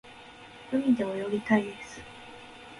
海で泳ぎたいです。